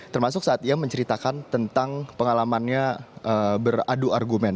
termasuk saat ia menceritakan tentang pengalamannya beradu argumen